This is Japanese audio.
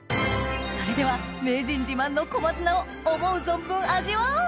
それでは名人自慢の小松菜を思う存分味わおう！